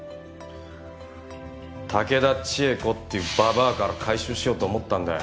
竹田千恵子っていうババアから回収しようと思ったんだよ。